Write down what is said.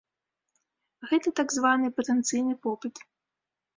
Гэта так званы патэнцыйны попыт.